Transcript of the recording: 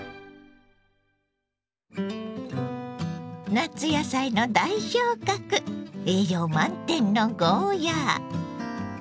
夏野菜の代表格栄養満点のゴーヤー。